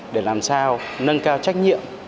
để làm sao nâng cao trách nhiệm